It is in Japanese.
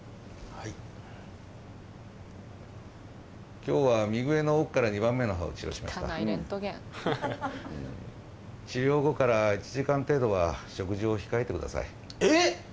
はい・今日は右上の奥から２番目の歯を治療しました治療後から１時間程度は食事を控えてくださいえっ